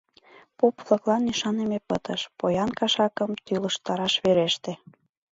Поп-влаклан ӱшаныме пытыш, поян кашакым тӱлыжтараш вереште.